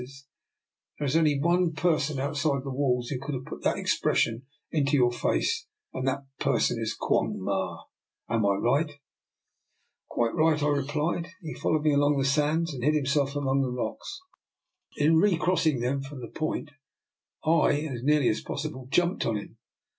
DR. NIKOLA'S EXPERIMENT. 227 There is only one person outside the walls who could have put that expression into your face, and that person is Quong Ma. Am I right? "" Quite right," I replied. " He followed me along the sands, and hid himself among the rocks. In recrossing them from the point, I, as nearly as possible, jumped on him."